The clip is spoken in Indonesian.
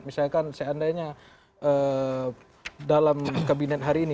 misalkan seandainya dalam kabinet hari ini